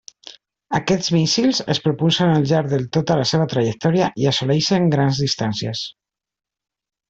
Aquests míssils es propulsen al llarg de tota la seva trajectòria i assoleixen grans distàncies.